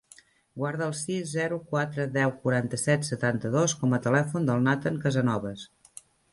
Guarda el sis, zero, quatre, deu, quaranta-set, setanta-dos com a telèfon del Nathan Casanovas.